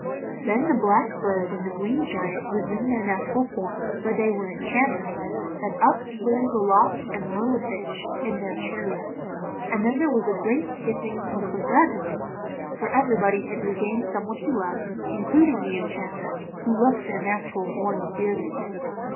Then the Black Bird and the Green Giant resumed their natural form, for they were enchanters, and up flew Lolotte and Mirlifiche in their chariots, and then there was a great kissing and congratulating, for everybody had regained someone he loved, including the enchanters, who loved their natural forms dearly.